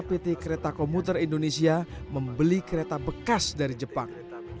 pt kereta komuter indonesia membeli kereta bekas dari jepang